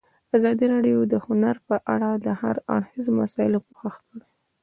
ازادي راډیو د هنر په اړه د هر اړخیزو مسایلو پوښښ کړی.